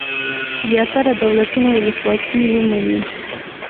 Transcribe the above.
زیاتره دولتونه ولسواکي ومني.